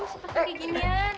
masih pakai kayak ginian